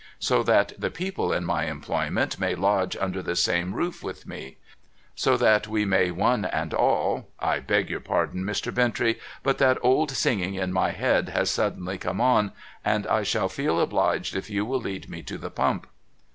So that the people in my employment may lodge under the same roof with me ! So that we may one and all —^— I beg your pardon, Mr. Bintrey, but that old singing in my head has suddenly come on, and I shall feel obliged if you will lead me to the pump.'